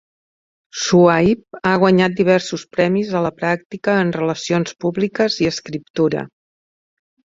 Shuaib ha guanyat diversos premis a la pràctica de relacions públiques i escriptura.